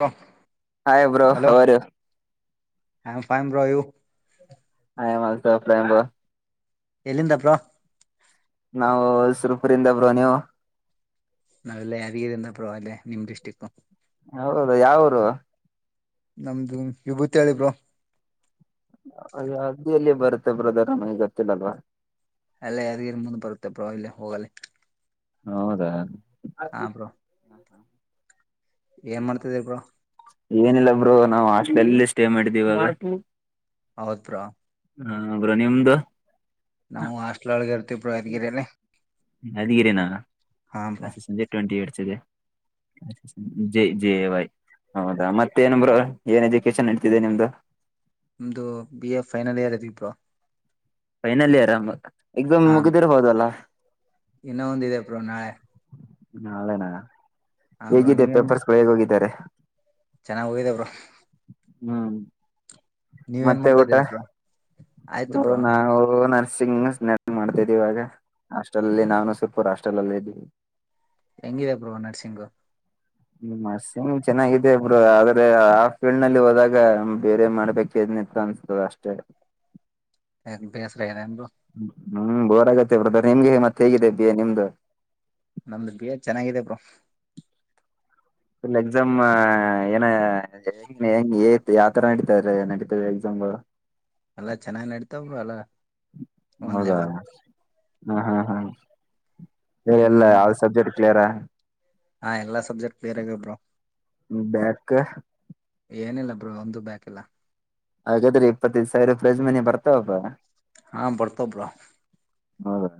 ಹಾ [unintelligible] ಹಯ್ bro how are you ಅಯಂ fine bro you ಆಯಮ್ also fine bro ಎಲ್ಲಿಂದ ಬ್ರೋ ನಾವುಸರುಪುರಿಂದ ಬ್ರೋ ನೀವು ನಾವೆಲ್ಲ ಅರಿಗಿರಿದಿಂದ ಬ್ರೋ ಅಲ್ಲೇ ನಿಮ್ ಡಿಸ್ಟ್ರಿಕ್ಟ್ ಹೌದ ಯಾವೂರು ನಮ್ದು ವಿಭೂತಿ ಹೇಳಿ ಬ್ರೋ ಅಯ ಅದ್ದಿಯಲ್ಲಿಯ ಬರುತ್ತೆ ಬ್ರದರಮಗೆ ಗೊತ್ತಿಲ್ಲ ಅಲ್ವಾ ಅಲ್ಲ ಯಾದಗಿರಿ ಮುಂದೆ ಬರುತ್ತೆ ಬೋ ಇಲ್ಲಿ ಹೋಗಲ್ಲ ಹೌದಾ ಹಾ ಬ್ರೋ ಏನ್ ಮಾಡ್ತಿದ್ದೀರಿ ಬ್ರೋ ಏನಿಲ್ಲಾ ಬ್ರೋ ನಾವು ಹಾಸ್ಟೆಲ್ ಸ್ಟೇ ಮಾಡಿದಿದ್ದ್ ಇವಾಗ [inaudible] ಹತ್ರ [unintelligible] ಹೂ ಬ್ರೋ ನಿಮ್ದು ನಾವು ಹಾಸ್ಟೆಲ್ ಒಳಗೆ ಇರ್ತೀವಿ ಬ್ರೋ [unintelligible] ಯಾದಗಿರಿಯಲ್ಲಿ ಯಾದಗಿರನಾ ಹಾ ಬ್ರೋ ಸಂಜೆ ಟ್ವೆಂಟಿ ಏ [unintelligible] ಜೈ ಜೈ ಬಾಯ್ ಹೌದಾ ಮತ್ತೇನ ಏನ್ ಬ್ರೋ ಏನ್ ಎಜುಕೇಶನ್ ನಡಿತಿದೆ ನಿಮ್ದು ನಮ್ದು ಬಿ ಎ ಫೈನಲ್ ಇಯರ್ ಅದಿ [unintelligible] ಬ್ರೋ ಫೈನಲ್ ಇಯರ್ ಎಕ್ಸಾಮ್ ಮುಗ್ದಿರ್ಬೋದಲ್ಲ ಇನ್ನ ಒಂದಿದೆ ಬ್ರೋ ನಾಳೆ ನಾಳೆನ ಹಾ ಬ್ರೋ ಹೇಗಿದೆ ನೀವೇನ್ ಮಾಡ್ ಪೇಪರ್ಸ್ಗಳು ಹೇಗ್ ಹೋಗಿದ್ದಾರೆ ಚೆನ್ನಾಗ್ ಹೋಗಿದ್ದ ಬ್ರೋ ಹ್ಮ್ ನೀವೇನ್ ಮತ್ತೆ ಮಾಡ್ತಾ ಊಟ ಇದ್ದೀರಾ ಬ್ರೋ ಬ್ರೋ ನಾವು ಸಿಂಗಗ ನೆಟ [unintelligible] ಮಾಡ್ತಿದ ಇವಾಗ ಹಾಸ್ಟೆಲ್ಲ್ಲಿ ನಾವ ಸುರ್ಪೂರ್ ಹಾಸ್ಟೆಲ್ಲ್ಲ ಇದ್ದೀವಿ ಹೆಂಗಿದೆ ಬ್ರೋ ನರ್ಸಿಂಗ್ ನರ್ಸಿಂಗ್ ಚೆನ್ನಾಗಾಗಿದೆ ಬ್ರೋ ಆದ್ರೆ ಆ ಫೀಲ್ಡ್ ನಲ್ಲಿ ಹೋದಾಗ ಬೇರೆ ಮಾಡ್ಬೇಕ್ನಿತ್ತು ಅನ್ಸ್ತದ ಅಷ್ಟೆ ಬ್ಯಾಸರಾಗ್ಯದ [unintelligible] [unintelligible] ಹ್ಮ್ ಬೋರ್ ಆಗತ್ತೆ ಬ್ರದರ್ ನಿಮ್ಗೆ ಮತ್ತ ಹೇಗಿದೆ ಬಿ ಎ ನಿಮ್ದು ನಮ್ದು ಬಿಎ ಚೆನ್ನಾಗಿದೆ ಬ್ರೋ ಇ ಎಕ್ಸಾಮ್ ಏನ ಹೆ ಹೆಂಗ ಯಾವ ಯಾವತರ ನಡಿತಾವ ನಡತಾರೆ ನಡತಾರೆ ನಡತ ಎಕ್ಸಾಮ್ಗಳು [unintelligible] ಎಲ್ಲಾ ಚೆನ್ನಾಗ್ ನಡಿತಾವ್ ಬ್ರೋ ಒಂದ್ ಹೌದಾ ಲೆವೆಲ್ ಹ್ಮ ಹಾ ಹಾ ಇವ್ ಎಲ್ಲ ಏನ್ ಆಲ್ ಸಬ್ಜೆಕ್ಟ್ ಕ್ಲಿಯರಾ. ಹಾ ಎಲ್ಲಾ ಸಬ್ಜೆಕ್ಟ್ [unintelligible] ಆಗ್ಯಾವ ಬ್ರೋ ಬ್ಯಾಕ್ ಏನಿಲ್ಲ. ಬ್ರೋ ಒಂದು ಬ್ಯಾಕ್ ಇಲ್ಲ. ಹಾಗಾದ್ರೆ ಇಪ್ಪತ್ತೈದು ಸಾವಿರ ಪ್ರೈಜ್ ಮನಿ ಬರ್ತಾವಪ್ಪ. ಹಾ ಬರ್ತಾವ ಬ್ರೋ ಹೌದಾ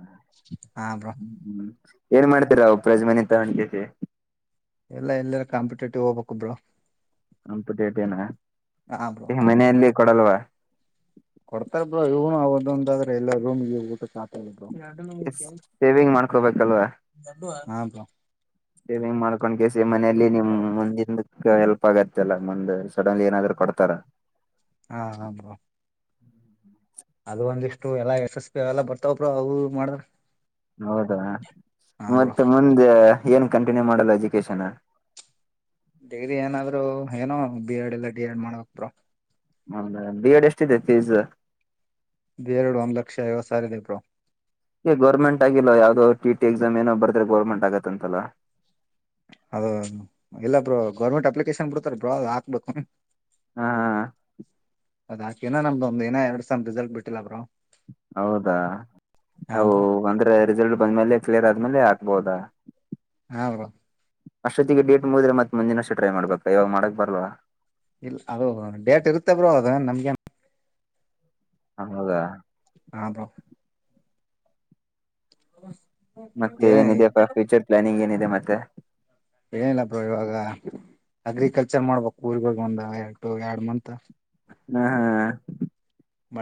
ಹಾ ಬ್ರೋ. ಹ್ಮ್ ಏನ್ ಮಾಡ್ತೀರ ಅವು ಪ್ರೈಸ್ ಮನಿ ತಗೊಂಡ್ ಕೇಶಿ. ಎಲ್ಲಾ ಎಲ್ಲರ ಕಾಂಪಿಟೇಟಿವ್ ಹೋಗ್ಬೇಕು ಬ್ರೋ. [unintelligible] ಹಾ ನಿಮ್ ಮನೆಯಲ್ಲಿ ಕೊಡಲ್ವಾ. ಕೊಡ್ತಾರ್ ಬ್ರೋ ಇದುನು ಅವರದೊಂದ್ ಆದ್ರ ಎಲ್ಲಾ ರೂಮ್ಗ್ ಊಟಕ್ಕೆ [unintelligible] ಎಸ್ ಸೆವಿಂಗ್ ಮಾಡ್ಕೋಬೇಕಲ್ವಾ ಹಾ ಬ್ರೋ ಸೆವಿಂಗ್ ಮಾಡ್ಕೊಂಡ್ ಕಿಸಿ ಮನೇಯಲ್ಲಿ ನಿಮ್ ಮುಂದಿಂದಕ್ಕ ಎಲ್ ಪ್ಪಾಗತಲ್ಲ ಮುಂದ್ ಸಡನ್ಲಿ ಏನಾದರು ಕೊಡ್ತಾರ. ಹಾ ಹಾ ಬ್ರೋ. ಅದು ಒಂದಿಷ್ಟು ಎಲ್ಲಾ ಎಸ್-ಎಸ್-ಪಿ ಎಲ್ಲ ಬರ್ತಾವ್ ಬ್ರೋ ಅವು ಇವು ಮಾಡದ್ರ. ಹೌದಾ ಮತ್ತ ಮುಂದ ಏನ್ ಕಂಟಿನ್ಯೂ ಮಾಡಲ್ಲ ಎಜುಕೇಶನ. ಡಿಗ್ರಿ ಏನಾದ್ರು ಏನೋ ಬಿ-ಎಡ್ ಇಲ್ಲ ಡಿ-ಎಡ್ ಮಾಡ್ಬೇಕ್ ಬ್ರೋ. ಹೌದಾ ಬಿ-ಎಡ್ ಎಷ್ಟಿದೆ ಫೀಸ್. ಬಿ-ಎಡ್ ಒಂದ್ ಲಕ್ಷ ಐವತ್ತ್ ಸಾವರ ಇದೆ ಬ್ರೋ. ಎ ಗೌರ್ಮೆಂಟ್ ಆಗಿಲ್ಲ ಯಾವ್ದೋ ಟಿ-ಟಿ ಎಕ್ಸಾಮ್ ಏನೋ ಬರ್ದ್ರೆ ಗೌರ್ಮೆಂಟ್ ಆಗತ್ ಅಂತಲ್ಲ. ಹೌದ್ ಹೌದ್ ಇಲ್ಲ ಬ್ರೋ ಗೌರ್ಮೆಂಟ್ ಅಪ್ಲಿಕೇಶನ್ ಬಿಡ್ತಾರ ಬ್ರೋ ಅದಾಕ್ಬೇಕು. ಹ ಹ ಹ. ಅದಾಕಿನ ನಮ್ದೊಂದ ಇನ್ ಎರಡ್ ಸೆಮ್ ರಿಸಲ್ಟ್ ಬಿಟ್ಟಿಲ್ಲ ಬ್ರೋ. ಹೌದಾ ಹಾ ಔ ಬ್ರೋ ಅಂದ್ರ ರಿಸಲ್ಟ್ ಬಂದ್ಮೇಲೆ ಕ್ಲಿಯರ್ ಆದ್ಮೇಲೆ ಆಕ್ಬೋದ. ಹಾ ಬ್ರೋ. ಅಷ್ಟೊತ್ತಿಗೆ ಡೇಟ್ ಮುಗದ್ರೆ ಮತ್ತ್ ಮುಂದಿನೊರ್ಷ ಟ್ರೈ ಮಾಡ್ಬೇಕ್ ಇವಾಗ ಮಾಡಕ್ ಬರ್ಲ್ವಾ. ಇಲ್ ಅದು ಡೇಟ್ ಇರತ್ತೆ ಬ್ರೋ ಅದ ನಮ್ಗೆನ್. ಹೌದಾ ಹಾ ಬ್ರೋ. [unintelligible] ಮತ್ತೆ ಏ ಏನಿದೆಪಾ ಫ್ಯೂಚರ್ ಪ್ಲಾನಿಂಗ್ ಏನಿದೆ ಮತ್. ತ್ತೆ ಏಲ್ಲ ಬ್ರೋ ಇವಾಗ ಅಗ್ರಿಕಲ್ಚರ್ ಮಾಡ್ಬೇಕು [unintelligible] ಒಂದ [unintelligible] ಯಾಡ್ ಮಂತ್. ಹಾ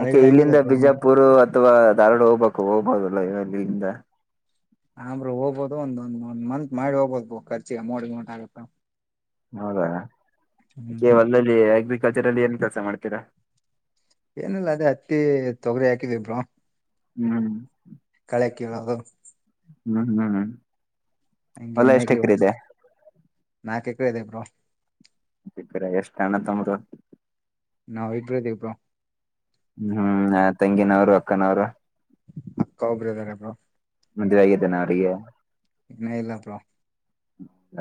ಮತ್ತೆ ಹೆಂಗಿದೆ ಇಲ್ಲಿಂದ ಬ್ರೋ ನಿಮ್ ಬಿಜಾಪುರು ಅ ಥವಾ ದಾರವಾಡ ಹೋಗ್ಬೇಕು ಹೋಗಬೋದಲ್ಲ [unintelligible] ಇಲ್ಲಿಂದ. ಆ ಬ್ರೋ ಹೋಗ್ಬೋದು ಒಂದ ಒಂದ್ ಒಂದ್ ಮಂತ್ ಮಾಡ್ ಹೋಗ್ಬೋದು ಬೋ ಖರ್ಚಿಗೆ ಅಮ್ಮೌಂಟ್ ಗಿಮೌಂಟ್ ಆಗುತ್ತ. ಹೌದ [unintelligible] ಹ್ಮ್ ಕೆ ಹೊಲದಲ್ಲಿ ಅಗ್ರಿಕಲ್ಚರ್ ಅಲ್ಲಿ ಏನ್ ಕೆಲ್ಸ ಮಾಡ್ತಿರ. ಏನಿಲ್ಲ ಅದೇ ಹತ್ತಿ ತೊಗರಿ ಹಾಕಿದಿನ್ ಬ್ರೊ. ಹ್ಮ್ ಕಳೆ ಕೀಳೋದು ಹ್ಮ್ ಹ್ಮ್ ಹ್ಮ್ ಹಂಗೆ ಹೊಲ ಎಷ್ಟ್ ನೇಗ್ಲಿ ಎಕರೆ ಒಸ ಇದೆ [unintelligible] ನಾಕ್ ವೆದೆ ಬ್ರೋ ಬಿಕ್ಕಡೆ ಎಷ್ಟ ಅಣ್ಣ ತಮ್ರು. ನಾವ್ ಇಬ್ರು ಇದಿವ್ ಬ್ರೊ. ಹ ತಂಗಿನವ್ರು ಅಕ್ಕನವ್ರು ಅಕ್ಕ ಒಬ್ರೇ ಇದರೆ ಬ್ರೊ. ಮದ್ವೆ ಅಗಿದೆನ ಅವ್ರಿಗೆ ಇನ ಇಲ್ಲ ಬ್ರೋ.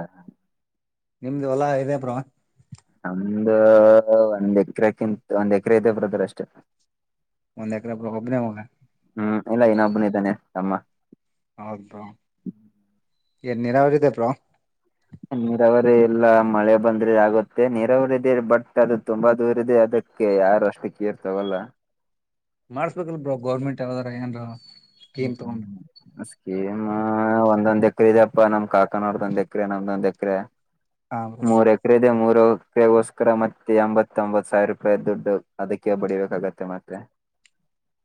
ಹ ನಿಮ್ದು ಹೊಲ ಇದೆ ಬ್ರೋ ನಮ್ದ ಒಂದ್ ಎಕರೆ ಕಿಂತ ಒಂದ್ ಎಕರೆ ಇದೆ ಬ್ರದರ್ ಅಷ್ಟೆ. ಒಂದ್ ಎಕ್ರೆ ಬ್ರೋ ಒಬ್ನೇ ಮಗ. ಹ್ಮ್ ಇಲ ಇನ್ನೊಬ್ಬನು ಇದನೆ ತಮ್ಮ. ಹೌದ್ ಬ್ರೋ ಎನ್ ನೀರಾವರಿ ಇದೆ ಬ್ರೋ ನೀರಾವರಿ ಇಲ್ಲ ಮಳೆ ಬಂದ್ರೆ ಆಗುತ್ತೆ ನೀರಾವರಿದೆ ಬಟ್ ಅದು ತುಂಬಾ ದೂರ ಇದೆ ಅದಕ್ಕೆ ಯಾರು ಅಷ್ಟು ಕೇರ್ ತಗೊಲ್ಲ. ಮಾಡ್ಸ್ಬೇಕಲ್ ಬ್ರೋ ಗೌರ್ಮೆಂಟ್ ಯಾವ್ದರ ಏನ್ರ ಸ್ಕೀಮ್ ತಗೊಂಡ್ [unintelligible] ಹಸ್ ಏನ ಒಂದೊಂದ್ ಎಕ್ರೆ ಇದೆಪ ನಮ್ ಕಾಕ ನೋರ್ದು ಎಕ್ರೆ ನಮ್ದೊಂದ್ ಎಕ್ರೆ. ಹಾ ಬ್ರೋ [unintelligible] ಮೂರ್ ಎಕ್ರೆ ಇದೆ ಮೂರ್ [unintelligible] ಗೋಸ್ಕರ ಮತ್ತೆ ಎಂಬತ್ತೊಂಬತ್ ಸಾವಿರ ರೂಪಾಯಿ ದುಡ್ಡು ಅದಕ್ಕೆ ಬಡಿಬೇಕಾಗತ್ತೆ ಮತ್ತೆ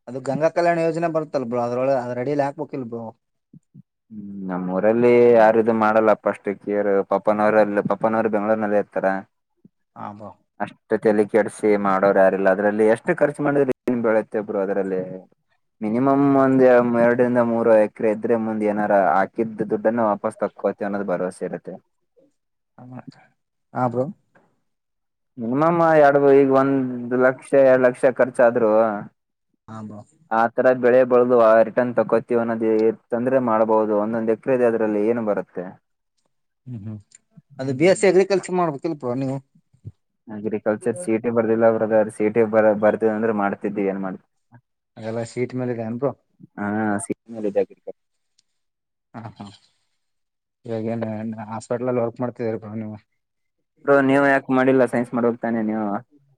ಅದು ಗಂಗಾ ಕಲ್ಯಾಣ ಯೋಜನೆ ಬರುತ್ತಲ್ ಬ್ರೋ ಅದ್ರೊಳ ಅದರಡಿಯಲಿ ಹಾಕ್ಬೇಕಿಲ್ ಬ್ರೋ [unintelligible] ಹ್ಮ ನಮ್ಮೂರಲ್ಲಿ ಯಾರಿದು ಮಾಡಲ್ಲಪ್ಪಷ್ಟು ಕೇರು ಪಪ್ಪನವ್ರು ಪಪ್ಪನವ್ರು ಬೆಂಗಳೂರ್ನಲ್ಲಿ ಇರ್ತರ [unintelligible] ಹಾ ಬ್ರೋ ಅಷ್ಟು ತೆಲಿಗ್ ಕೆಡ್ಸಿ ಮಾಡೋರು ಯಾರಿಲ್ಲ ಅದ್ರಲ್ಲಿ ಎಷ್ಟು ಖರ್ಚು ಮಾಡಿದ್ರೆ ಏನ್ ಬೆಳೆತ್ತ ಬ್ರೋ ಅದ್ರಲ್ಲಿ ಮಿನಿಮಮ್ ಒಂದ್ ಎರಡ್ ನಿಂದ ಮೂರು ಕ್ರೆ ಇದ್ರೆ ಮುಂದ್ ಏನರ ಹಾಕಿದ್ ದುಡ್ಡನ್ನ ವಾಪಸ್ ತಕ್ಕೋತೇವಿ ಅನ್ನೋದು ಭರವಸೆ ಇರುತ್ತೆ. [unintelligible] ಹ ಹ ಬ್ರೋ ಮಿನಿಮಮ್ ಯಾಡ್ ಈಗ ಒಂದ್ ಲಕ್ಷ ಯಾಡ್ ಲಕ್ಷ ಖರ್ಚಾದ್ರು [unintelligible] ಹಾ ಬ್ರೋ ಆ ತರ ಬೆಳೆ ಬರ್ದುವ ರಿಟರ್ನ್ ತಕೋತೀವಿ ಅನ್ನೋದ ಇತ್ತಂದ್ರೆ ಮಾಡ್ಬೋದು ಒಂದೊನ್ದ್ ಎಕ್ರೆ ಇದೆ ಅದ್ರಲ್ಲಿ ಏನು ಬರುತ್ತೆ. ಹ್ಮ್ ಹ್ಮ್ ಅದು ಬಿ ಎಸ್ ಸಿ ಅಗ್ರಿಕಲ್ಚರ್ ಮಾಡ್ಬೇಕಿಲ್ ಪ ನೀವ್ ಅಗ್ರಿಕಲ್ಚರ್ ಸಿ ಇ ಟಿ ಬರ್ದಿಲ [unintelligible] ಸಿಇಟಿ ಬ ಬರ್ದಿನಿ ಅಂದ್ರೆ ಮಾಡ್ತಿದಿದ್ದಿ ಏನ್ ಮಾಡ್ ಎಲ ಸಿಇಟ್ ಮೇಲೆದೆ ಏನ್ ಬ್ರೋ ಹಾ ಸಿಟಿ ಮೇಲೆ ಇದೆ ಅಗ್ರಿಕಲ್ಚರ್ ಹಾ ಹಾ [unintelligible] ಇವಗೇನ್ ಹಾಸ್ಪಿಟಲ್ ವರ್ಕ್ ಮಾಡ್ತಿದೀರಿ ಬ್ರೋ ನೀವು ಬ್ರೋ ನೀವು ಯಾಕೆ ಮಾಡಿಲ್ಲ ಸೈನ್ಸ್ ಮಾಡ್ಬೇಕ್ ತಾನೆ ನೀವು [unintelligible]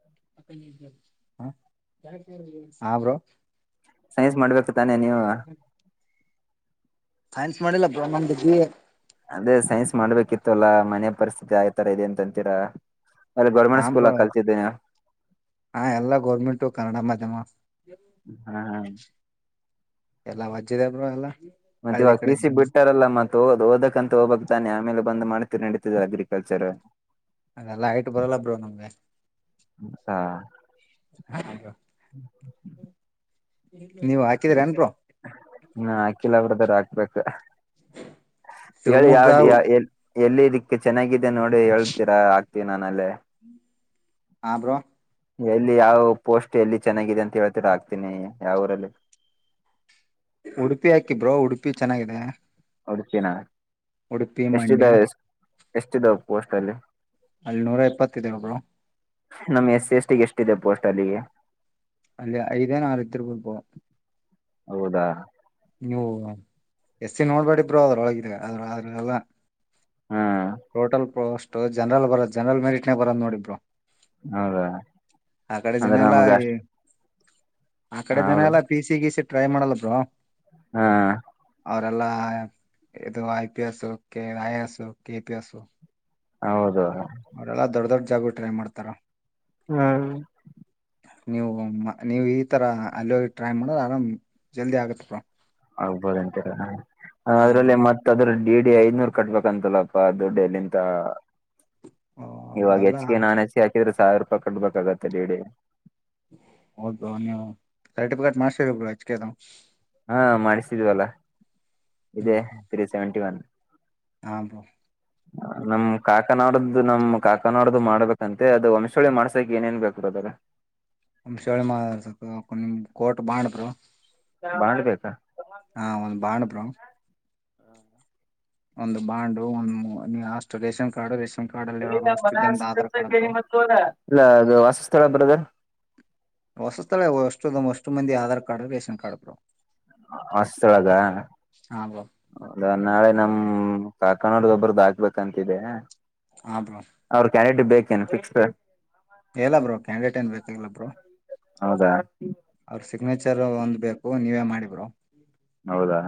ಹ [unintelligible] ಹಾ ಬ್ರೋ ಸೈನ್ಸ್ ಮಾಡ್ಬೇಕ್ ತಾನೆ ನೀವು [unintelligible] ಸೈನ್ಸ್ ಮಾಡಿಲ್ಲ ಬ್ರೋ ನಂದು ಬಿ ಎ. ಅದೇ ಸೈನ್ಸ್ ಮಾಡ್ಬೇಕಿತ್ತುಲ್ಲಾ ಮನೆ ಪರಿಸ್ಥಿತಿ ಆತರ ಇದೆ ಅಂತ ಅಂತೀರಾ. ಅಲ್ಲಿ ಹಾ ಗೌರ್ಮೆಂಟ್ ಸ್ಕೂಲ ಬ್ರೋ ಕಳ್ತಿದ್ ನೀವ್ ಹಾ ಎಲ್ಲಾ ಗೌರ್ಮೆಂಟು ಕನ್ನಡ ಮಾಧ್ಯಮ ಹಾ ಹಾ [unintelligible] ಎಲ್ಲಾ ವಜ್ಜಿದೆ ಬ್ರೊ ಎಲ್ಲಾ. ಮತ್ತೆ ಹಳ್ಳಿ ಇವಗ್ ಪೀ ಕಡೆ ಸಿ ಜೀವನ ಬಿಟ್ಟಾರಲ್ಲ ಮತ್ತೋಗದು ಓದಕಂತ ಹೋಗಬಕ್ ತಾನೆ ಆಮೇಲೆ ಬಂದ್ ಮಾಡ್ ತಿ ನಡೀತಿದೆ ಅಗ್ರಿಕಲ್ಚರ್ರ ಅದೆಲ್ಲ ಹೈಟ್ ಬರಲ್ಲ ಬ್ರೋ ನಮ್ಗೆ [unintelligible] ಹಾ ಹ ಬ್ರೋ [unintelligible] [unintelligible] ಇನ್ನು ಹಾಕಿಲ್ಲ ಬ್ರದರ್ ಹಾಕ್ಬೇಕ್. ಹ [unintelligible] ಏಳಿ ಶಿವಮೊಗ್ಗ ಯಾವ್ ಡಿಯಾ ಎಲ್ ಎಲ್ಲಿ ಇದಕ್ ಚೆನ್ನಾಗಿದೆ ನೋಡಿ ಹೇಳ್ತೀರಾ ಆಕ್ತೀನ್ ನಾನ್ ಅಲ್ಲೇ. ಹಾ ಬ್ರೋ ಎಲ್ಲಿ ಯಾವ್ ಪೋಸ್ಟ್ ಎಲ್ಲಿ ಚೆನ್ನಾಗಿದೆ ಅಂತ ಹೇಳ್ತಿರ ಹಾಕ್ತೀನಿ ಯಾವ್ ಊರಲಿ ಉಡುಪಿ ಹಾಕಿಬ್ರೋ ಉಡುಪಿ ಚೆನಗಿದೆ. ಉಡುಪಿನ ಉಡುಪಿ ಮಂಡ್ಯ ಎಷ್ಟಿದವ್ ಪೋಸ್ಟ್ ಅಲ್ಲಿ. ಅಲ್ ನೂರ ಎಪ್ಪತ್ತಿದವ್ ಬ್ರೋ. ನಮ್ ಎಸ್ ಸಿ ಎಸ್ ಟಿಗೆ ಎಷ್ಟಿದೆ ಪೋಸ್ಟ್ ಅಲ್ಲಿಗೆ. ಅಲ್ಲಿ ಐದೇನ ಆರ್ ಇದ್ದಿರ್ಬೋದು ಬ್ರೋ ಹೌದ ನೀವು ಎಸ್ ಸೀ ನೋಡ್ಬೇಡಿ ಬ್ರೊ ಅದ್ರೊಳಗಿದೆ ಅದ್ರ್ ಅದ್ ಎಲ್ಲ. ಹ್ಮ್ ಟೋಟಲ್ ಪೋಸ್ಟ್. ಟೂ ಜನರಲ್ ಬರೋ ಜನರಲ್ ಮೆರಿಟ್ನೆನೇಗ್ ಬರದ್ ನೋಡಿಬ್ರೊ. ಹೌದಾ ಅಂದ್ರ ನಮಗಷ್ಟ್. ಆಕಡೆ ಜನ ಎಲ್ಲ ಪೀಸಿ ಗೀಸಿ. ಟ್ರೈ ಮಾಡಲ್ಲಬ್ರೊ. ಹಾ. ಅವರೆಲ್ಲಾ ಇದು I P S K I A S K P S. ಹೌದು. ಅವ್ರೆಲ್ಲ ದೊಡ್ ದೊಡ್. ಜಾಗು ಟ್ರೈ ಮಾಡ್ತಾರ. ಹ್ಮ್. ನೀವು ಮ್ ನೀವು ಈ ತರ ಅಲ್ಲ್ಯೋಗಿ ಟ್ರೈ ಮಾಡ ಆರಾಮ್ ಜಲ್ದಿ ಆಗತ್ತ ಬ್ರೊ. ಆಗ್ಬೋದು ಅಂತಿರಾ ಹಾ ಅದ್ರಲ್ಲೆ ಬ್ರೋ ಮತ್ತ ಅದ್ರ. ಡಿಡಿ ಐದ್ನೂರ್ ಕಟ್ಬೇಕಂತಲ್ಲಪ್ಪಾ ದುಡ್ಡ ಎಲ್ಲಿಂತಾ. ಅದು ಇವಾಗ ಅಲ್ಲ ಹೆಚ್ ಕೆ ನಾನ್ ಹೆಸಿಯಾಕ್. ಕೆರ್ ಸಾವಿರೂಪಾಯಿ ಕಟ್ ಬೇಕಾಗತ್ತೆ ಡಿ ಡಿ. ಹೌದು ನೀವು ಸರ್ಟಿಫಿಕೇಟ್ ಮಾಡ್ಸ್ಗೆಬೇಕ್ ಬ್ರೊ ಎಚ್ ಕೆ ದಾವ್. ಹಾ ಮಾಡಿಸ್ತಿದ್ವಲ್ಲ ಇದೇ ತ್ರೀ ಸೆವೆಂಟಿ ಒನ್. ಹಾಬ್ರೋ. ನಮ್ ಕಾಕ ನಾವರದು ನಮ್ ಕಾಕ ನಾವರದು ಮಾಡ್ಬೇಕಂತೆ ಅದು ವಂಶೋಳಿ ಮಾಡ್ಸಕ್ ಏನೇನ್ ಬೇಕು ಬ್ರದರ್. ವಂಶೋಳಿ ಮಾಡ್ಸಾಕ್ ನಿಮ್ಮ ಕೋಟ್ ಬಾಂಡ ಬ್ರೋ. ಬಾಂಡ ಬೇಕಾ. ಹಾ ಒಂದು ಬಾಂಡ್ ಬ್ರೂ. ಒಂದು ಬಾಂಡು ಒಂದ್ ನೀ ಅಷ್ಟು ರೇಷನ್ ಕಾರ್ಡ್ ರೇಷನ್. ಕಾರ್ಡ್ ಅಲ್ಲಿ ಇರೋರು ಅಷ್ಟು ಜನದ ಆಧಾರ್ ಕಾರ್ಡ್ ಬ್ರೋ [unintelligible] [inaudible] ವಾಸಸ್ಥಳ ಬ್ರದರ್. ವಾಸಸ್ಥಳ ಎಷ್ಟುದ ಒಷ್ಟು ಮಂದಿ Aadhaar card ration card bro. ಅಷ್ಟೊಳಗ ಹಾ ಬ್ರೋ ಹೌದಾ. ನಾಳೆ ನಮ್ ಕಾಕಣೋಡ್ಗ ಒಬ್ರದ್ದ ಹಾಕ್ಬೇಕಂತಿದೆ. ಹಾ ಬ್ರೋ. [unintelligible] [inaudible] ಎಲ್ಲ ಬ್ರೋ ಕ್ಯಾಂಡಿಡೇಟ್ ಏನ್ ಬೇಕಾಗಿಲ್ಲ ಬೋ ಹೌದಾ ಅವ್ರ ಸಿಗ್ನೇಚರ್ ಒಂದ್ ಬೇಕು ನೀವೇ ಮಾಡ ಮಾಡಿ ಬ್ರೋ. ಹೌದಾ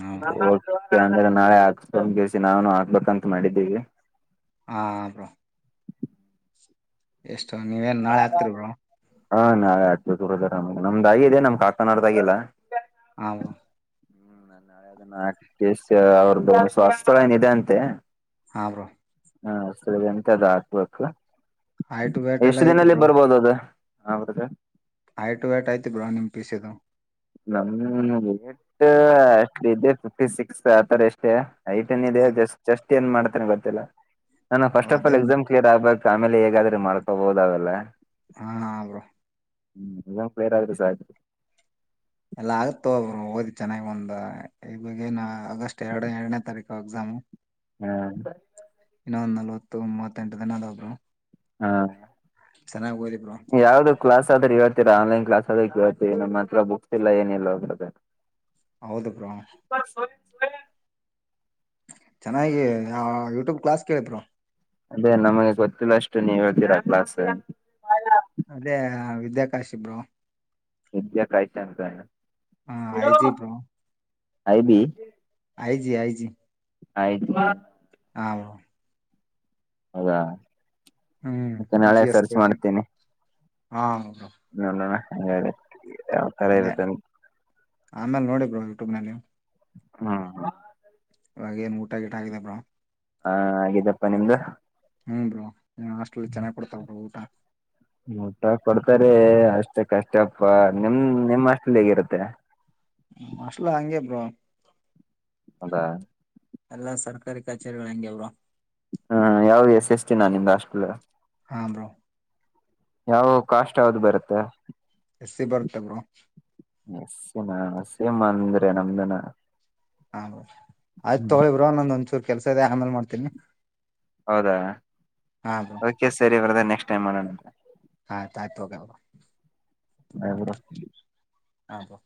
ಹಾ ಬ್ರೋ [unintelligible] ಇಲ್ಲಾಂದ್ರೆ ನಾಳೆ ಹಾಕಿಸ್ಕೊಂಡ್ ಕೇಶಿ ನಾವನು ಹಾಕ್ಬೇಕಂತ ಮಾಡಿದ್ದೀವಿ. ಹಾ ಬ್ರೋ. ಎಷ್ಟೋ ನೀವೇನ್ ನಾಳೆ ಹಾಕ್ತಿರ್ ಬ್ರೋ. ಹಾ ನಾಳೆ ಹಾಕ್ಬೇಕು ಬ್ರದರ್ ನಮ್ದ್ ನಮ್ದ ಆಗಿದೆ ನಮ್ ಕಾಕನವರ್ದಾಗಿಲ್ಲ. ಹ ಬ್ರೋ. ನಾಳೆ ಅದನ್ನ ಕೇಶ ಅವ್ರದ್ದು ಸ್ವಾಸ್ತವೇನಿದೆ ಅಂತೆ. ಹಾ ಬ್ರೋ ಹಾ ಸರಿ ಅನ್ಕೋದ ಹಾಕ್ಬೇಕು. ಹೈಟ್ ವೇಟ್ ಎಲ್ಲ ಎಷ್ಟು ಐತಿ ದಿನದಲ್ಲಿ ಬ್ರೋ ಬರ್ಬೋದು ಅದು. [unintelligible] ಹೈಟ್ ವೇಟ್ ಐತಿ ಬ್ರೋ ನಿಮ್ಮ ಪಿ ಸಿ ದು. [unintelligible] ಇದೇ ಫಿಫ್ಟಿ ಸಿಕ್ಸ್ ಆತರ ಅಷ್ಟೇ. ಹೈಟ್ ಏನ್ ಇದೆ ಜಸ್ಟ್ ಚೆಸ್ಟ್. ತ್ತೇನ್ ಮಾಡ್ತಾನೆ ಗೊತ್ತಿಲ್ಲ. ನನ್ನ ಫಸ್ಟ್ ಆಫ್ ಆಲ್ ಅದೇ ಎಕ್ಸಾಮ್ ಕ್ಲಿಯರ್ ಆಗಬೇಕ್. ಫ್ಯಾಮಿಲಿ ಹೇಗಾದ್ರೆ ಮಾಡ್ಕೊಬೋದು ಅವೆಲ್ಲ. ಹಾ ಹಾ ಬ್ರೋ. ಹ್ಮ್ ಎಕ್ಸಾಮ್ ಕ್ಲಿಯರ್ ಆದ್ರ ಸಾಕ. ಎಲ್ಲ ಆಗುತ್ತೊ ಬ್ರೋ ಓದಿ ಚೆನ್ನಾಗಿ ಒಂದ ಈವಾಗ ಏನ ಆಗಸ್ಟ್ ಎರಡ ಎರಡನೇ ತಾರೀಕು ಎಕ್ಸಾಮು. [unintelligible] ಇನ್ನೊಂದ್ ನಲವತ್ತು ಮೂವತ್ತೆಂಟು ದಿನ ಅದವ ಬ್ರೋ. ಹಾ ಚೆನ್ನಾಗಿ ಓದಿ ಬ್ರೋ ಯಾವ್ದು ಕ್ಲಾಸ್ ಆದ್ರೆ ಹೇಳ್ತೀರಾ ಆನ್ಲೈನ್ ಕ್ಲಾಸ್. ಅದಕ್ಕೆ ಹತವಿ ನಮ್ಮತ್ರ ಬುಕ್ಸ್ ಇಲ್ಲ ಏನಿಲ್ಲ ಅವಾಗ. ಹೌದು ಬ್ರೋ. ಚೆನ್ನಾಗಿ ಯೂಟ್ಯೂಬ್ ಕ್ಲಾಸ್ ಕೇಳಿ ಬ್ರೋ. ಅದೇ ನಮಗೆ ಗೊತ್ತಿಲ್ಲ ಅಷ್ಟೇ ನೀವ ಹೇಳ್ತೀರಾ ಕ್ಲಾಸ್ [unintelligible] ಅದೇ ವಿದ್ಯಾಕಾಶಿ ಬ್ರೋ. ವಿದ್ಯಾ ಕಾಶಿ ಅಂತನ. ಹಾ IG bro. I B. IG IG. [unintelligible] [unintelligible] ಹೌದಾ. ಹ್ಮ್ ಮತ್ತೆ ನಾಳೆ ಜಿ ಎಸ್ ಸರ್ಚ್ ಕೋಚಿಂಗ್ ಮಾಡ್ತೇನಿ. ಹಾ ಬ್ರೋ ನೋಡೋಣ [unintelligible] ಯಾವ ತರ ಅದೇ ಇರುತ್ತೆ ಅಂತ್. ಆಮೇಲೆ ನೋಡಿ ಬ್ರೋ ಯೂಟ್ಯೂಬ್ನಲ್ಲಿ. ಹಾ ಇವಾಗ ಏನ್ ಊಟಾ ಗಿಟಾ ಆಗಿದೆ ಬ್ರೋ. ಹಾ ಆಗ್ಯದಪ್ಪಾ ನಿಮ್ದ. ಹ್ಮು ಬ್ರೋ. ಹಾಸ್ಟೆಲ್ ಚೆನ್ನಾಗ್ ಕೊಡ್ತಾವ ಬ್ರೋ ಊಟ ಊಟ ಕೊಡ್ತಾರೆ ಅಷ್ಟ ಅಷ್ಟಕ್ ಕಷ್ಟಪ್ಪ ನಿಮ್ ನಿಮ್ಮ್ ಹಾಸ್ಟೇಲ್ ಹೇಗಿರುತ್ತೆ. ನಮ್ಮ ಹಾಸ್ಟೇಲ್ ಹಂಗೆ ಬ್ರೋ. ಹೌದಾ ಎಲ್ಲ ಸರ್ಕಾರಿ ಕಚೇರಿಗಳು ಹೆಂಗೆ ಬ್ರೋ. ಹ ಯಾವ್ದ ಎಸ್-ಎಸ್-ಟಿ ನಿಮ್ದ ಹಾಸ್ಟೆಲ್. ಹಾ ಬ್ರೋ. ಯಾವ ಕಾಸ್ಟ್ ಯಾವ್ದ ಬರುತ್ತೆ. ಎಸ್ ಸಿ ಬರುತ್ತೆ ಬ್ರೋ [unintelligible] ಹ ಆಯ್ತ ಹ್ಮ್ ತಗೊಳ್ಳಿ ಬ್ರೋ ನಂದೊಂದ್ ಕೆಲಸ ಇದೆ. ಆಮೇಲ್ ಮಾಡ್ತೀನಿ ಹೌದಾ ಹಾ ಬ್ರೋ ಓಕೆ ಸರಿ [unintelligible] ನೆಸ್ಟ್ ಟೈಮ್ ಮಾಡೋಣಂತ. ಆಯ್ತ್ ಆಯ್ತ್ [unintelligible] [unintelligible] ಹಾ ಬ್ರೋ.